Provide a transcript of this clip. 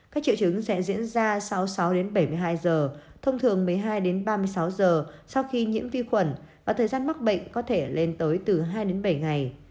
các triệu chứng sẽ diễn ra sáu mươi sáu đến bảy mươi hai giờ thông thường một mươi hai đến ba mươi sáu giờ sau khi nhiễm vi khuẩn và thời gian mắc bệnh có thể lên tới từ hai đến bảy ngày